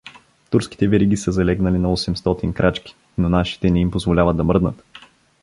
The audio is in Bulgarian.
Турските вериги са залегнали на осемстотин крачки, но нашите не им позволяват да мръднат.